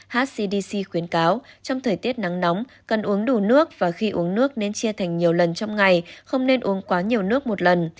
hcdc khuyến cáo trong thời tiết nắng nóng cần uống đủ nước và khi uống nước nên chia thành nhiều lần trong ngày không nên uống quá nhiều nước một lần